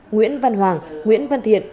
nguyễn văn hoàng nguyễn văn thiện